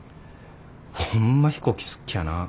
ホンマ飛行機好っきゃなぁ。